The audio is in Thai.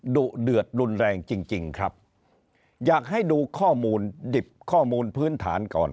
ดุเดือดรุนแรงจริงจริงครับอยากให้ดูข้อมูลดิบข้อมูลพื้นฐานก่อน